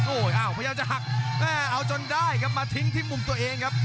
โอ้โหอ้าวพยายามจะหักแม่เอาจนได้ครับมาทิ้งที่มุมตัวเองครับ